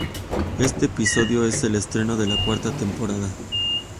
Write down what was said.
Este episodio es el estreno de la cuarta temporada.